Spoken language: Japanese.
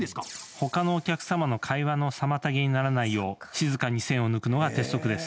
他のお客様の会話の妨げにならないよう静かに栓を抜くのが鉄則です。